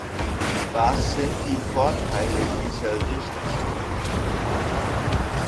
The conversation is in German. Was sind die Vorteile dieser Richtlinie?